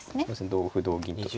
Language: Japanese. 同歩同銀と。